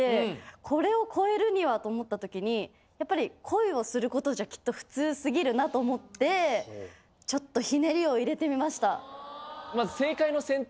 これを超えるにはと思ったときにやっぱり恋をすることじゃきっと普通過ぎるなと思ってちょっとひねりを入れてみました。